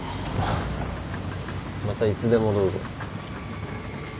またいつでもどうぞ。